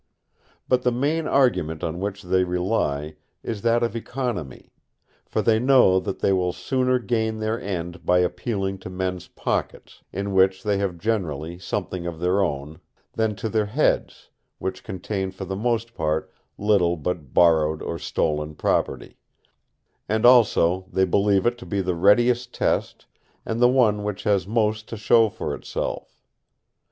But the main argument on which they rely is that of economy: for they know that they will sooner gain their end by appealing to men's pockets, in which they have generally something of their own, than to their heads, which contain for the most part little but borrowed or stolen property; and also, they believe it to be the readiest test and the one which has most to show for itself.